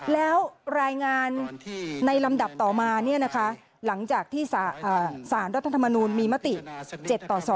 แล้วรายงานในลำดับต่อมาหลังจากที่สารรัฐธรรมนูลมีมติ๗ต่อ๒